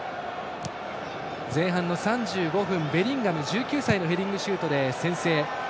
前半の３５分ベリンガム、１９歳のヘディングシュートで先制。